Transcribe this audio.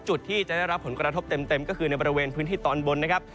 จุดที่จะได้รับผลกระทบเต็มก็คือในบริเวณพื้นที่ตอนบนนะครับ